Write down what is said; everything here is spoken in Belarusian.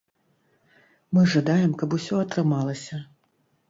Мы жадаем, каб усе атрымалася.